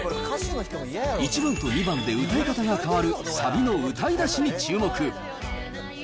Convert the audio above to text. １番と２番で歌い方が変わるサビの歌い出しに注目。